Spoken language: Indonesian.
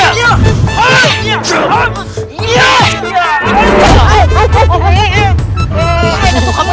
kamu tidak begitu